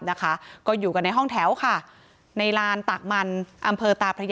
ทั้งครูก็มีค่าแรงรวมกันเดือนละประมาณ๗๐๐๐กว่าบาท